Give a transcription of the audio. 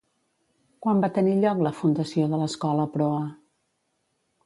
Quan va tenir lloc la fundació de l'Escola Proa?